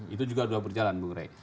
itu juga sudah berjalan bung rey